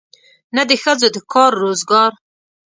نه د ښځو د کار روزګار.